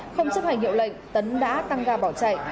không chấp hành hiệu lệnh tấn đã tăng ga bỏ chạy